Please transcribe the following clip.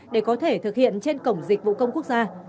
để có thể thực hiện trên cổng dịch vụ công quốc gia